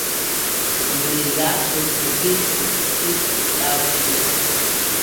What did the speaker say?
Убри азы акәзар саргьы сызҵкьыҵкьалшьо?